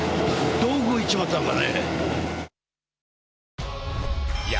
どこ行っちまったのかね。